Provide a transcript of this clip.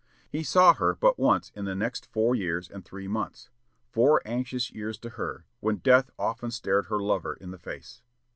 He saw her but once in the next four years and three months; four anxious years to her, when death often stared her lover in the face.